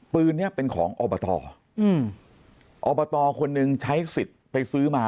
ปืนนี้เป็นของอบตอืมอบตคนหนึ่งใช้สิทธิ์ไปซื้อมา